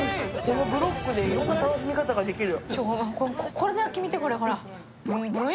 ブロックで楽しみ方ができる。